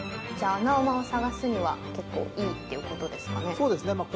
じゃあ穴馬を探すには結構いいっていうことですかね。